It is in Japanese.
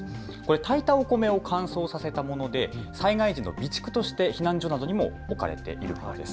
炊いたお米を乾燥させたもので災害時の備蓄として避難所などにも置かれているんです。